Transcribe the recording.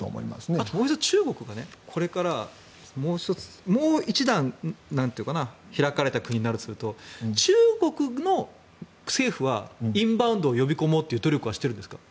あともう１つ中国がもう一段開かれた国になるとすると中国の政府はインバウンドを呼び込もうという努力はしているんですか？